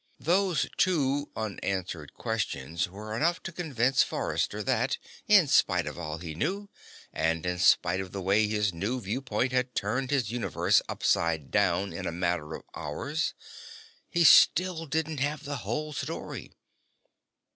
Those two unanswered questions were enough to convince Forrester that, in spite of all he knew, and in spite of the way his new viewpoint had turned his universe upside down in a matter of hours, he still didn't have the whole story.